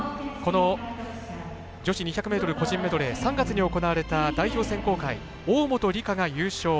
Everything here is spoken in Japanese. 女子２００個人メドレー３月に行われた代表選考会大本里佳が優勝。